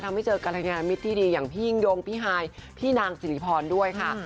ทำให้เจอกรรยามิตรที่ดีอย่างพี่ยิ่งยงพี่ฮายพี่นางสิริพรด้วยค่ะ